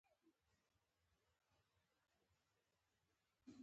ځمکنی شکل د ټولو افغانانو ژوند په بېلابېلو ډولونو اغېزمنوي.